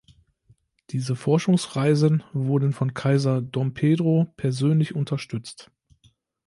Diese Forschungsreisen wurden von Kaiser Dom Pedro persönlich unterstützt.